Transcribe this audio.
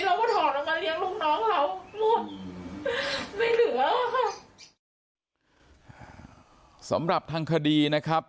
เราก็ถอดเอามาเลี้ยงลีบหนองสำหรับทางคดีนะครับ